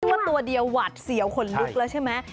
ว่าตัวเดียวหวาดเสียวขนลุกแล้วใช่ไหม